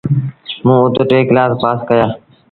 موݩ اُت ٽي ڪلآس پآس ڪيآ۔